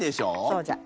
そうじゃ。